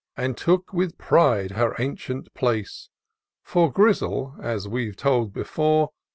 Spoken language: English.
And took with pride her ancient place ; For Grizzle, as we've told before.